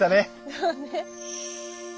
そうね。